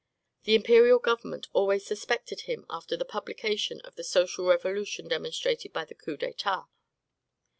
The imperial government always suspected him after the publication of the "Social Revolution Demonstrated by the Coup d'Etat."